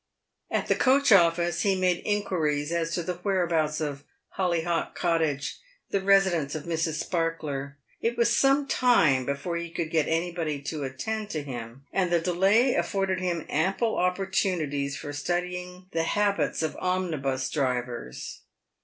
At the coach office he made inquiries as to the whereabouts of Hollyhock Cottage, the residence of Mrs. Sparkler. It was some time before he could get anybody to attend to liim, and the delay afforded him ample opportunities for studying the habits of omnibus drivers.